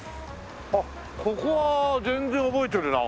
あっここは全然覚えてるな。